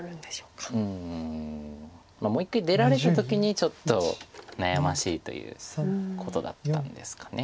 うんもう一回出られた時にちょっと悩ましいということだったんですかね。